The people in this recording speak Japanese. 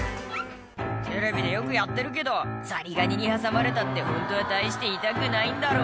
「テレビでよくやってるけどザリガニに挟まれたってホントは大して痛くないんだろ」